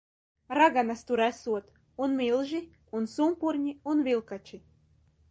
Raganas tur esot un milži. Un sumpurņi un vilkači.